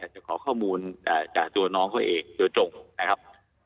จะขอข้อมูลจากตัวน้องเขาเองโดยตรงนะครับ